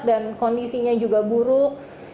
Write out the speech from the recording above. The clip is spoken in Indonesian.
dan kondisinya juga buruk